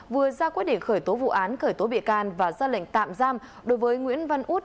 vừa ra quyết định khởi tố vụ án khởi tố bị can và ra lệnh tạm giam đối với nguyễn văn út